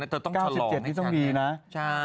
ต้องชะลองนี้ต้องดีนะ